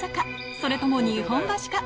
それとも日本橋か？